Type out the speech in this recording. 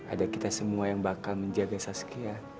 ada kita semua yang bakal menjaga saskia